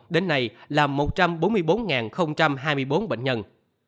đến nay là một trăm bốn mươi bốn hai mươi bốn bệnh nhân